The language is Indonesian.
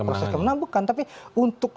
proses kemenang bukan tapi untuk